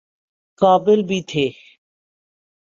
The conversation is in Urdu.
قابل بھی تھے۔